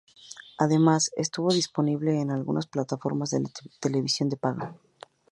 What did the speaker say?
Además, estuvo disponible en algunas plataformas de televisión de paga.